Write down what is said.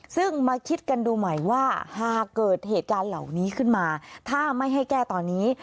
ซึ่งมาคิดกันดูใหม่ว่าหากเกิดเหตุการณ์เหล่านี้ขึ้นมาถ้าไม่ให้แก้ตอนนี้